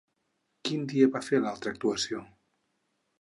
Quin dia es va fer l'altra actuació?